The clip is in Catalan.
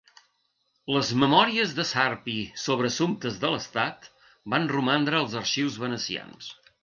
Les memòries de Sarpi sobre assumptes de l'estat van romandre als arxius venecians.